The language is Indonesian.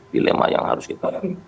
dilema yang harus kita